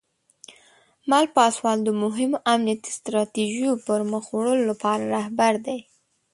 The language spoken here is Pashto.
مل پاسوال د مهمو امنیتي ستراتیژیو د پرمخ وړلو لپاره رهبر دی.